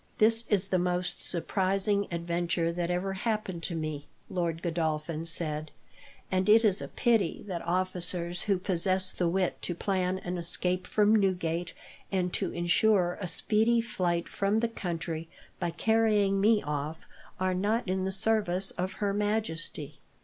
"This is the most surprising adventure that ever happened to me," Lord Godolphin said; "and it is a pity that officers who possess the wit to plan an escape from Newgate, and to ensure a speedy flight from the country by carrying me off, are not in the service of Her Majesty."